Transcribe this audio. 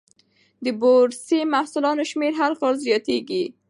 د بورسي محصلانو شمېر هر کال زیاتېږي.